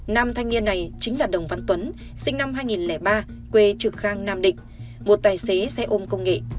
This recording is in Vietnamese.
nam thanh niên này chính là đồng văn tuấn sinh năm hai nghìn ba quê trực khang nam định một tài xế xe ôm công nghệ